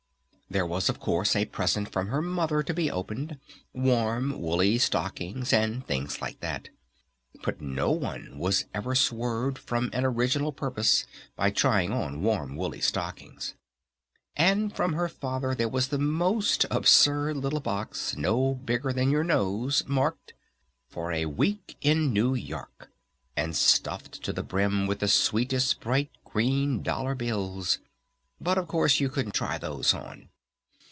There was, of course, a present from her Mother to be opened, warm, woolly stockings and things like that. But no one was ever swerved from an original purpose by trying on warm, woolly stockings. And from her Father there was the most absurd little box no bigger than your nose marked, "For a week in New York," and stuffed to the brim with the sweetest bright green dollar bills. But, of course, you couldn't try those on.